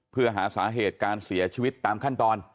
เพื่อหาสาเหตุการเสียชีวิตตามขั้นตอน